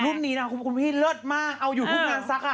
รูปนี้คุณพี่เลิศมากเอาอยู่ทุกงานซัก